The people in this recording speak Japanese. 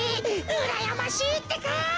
うらやましいってか！